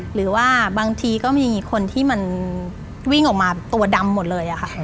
หรือว่าบางทีก็มีคนที่มันวิ่งออกมาตัวดำหมดเลยค่ะ